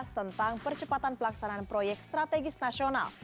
tentang percepatan pelaksanaan proyek strategis nasional